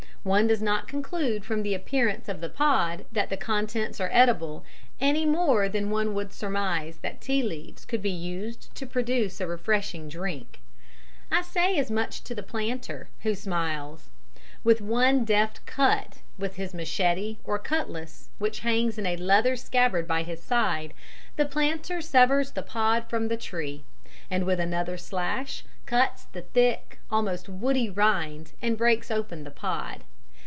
One does not conclude from the appearance of the pod that the contents are edible, any more than one would surmise that tea leaves could be used to produce a refreshing drink. I say as much to the planter, who smiles. With one deft cut with his machete or cutlass, which hangs in a leather scabbard by his side, the planter severs the pod from the tree, and with another slash cuts the thick, almost woody rind and breaks open the pod.